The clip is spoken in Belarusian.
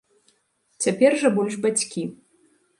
Цяпер жа больш бацькі.